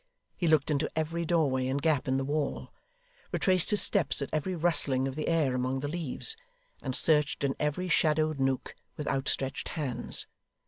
He looked into every doorway and gap in the wall; retraced his steps at every rustling of the air among the leaves; and searched in every shadowed nook with outstretched hands.